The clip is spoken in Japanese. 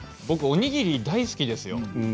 僕おにぎり大好きですよ。